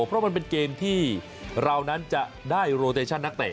เพราะมันเป็นเกมที่เรานั้นจะได้โรเตชั่นนักเตะ